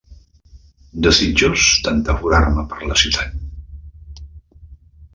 Desitjós d'entaforar-me per la ciutat